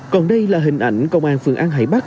còn đây là hình ảnh công an phường an hải bắc